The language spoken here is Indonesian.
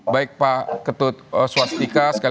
baik pak ketut swastika